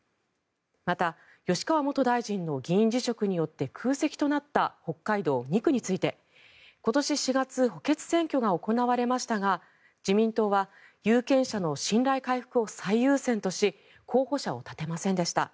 また、吉川元大臣の議員辞職によって空席となった北海道２区について今年４月補欠選挙が行われましたが自民党は有権者の信頼回復を最優先とし候補者を立てませんでした。